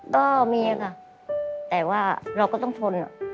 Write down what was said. ก็มีค่ะแต่ว่าเราก็ต้องทน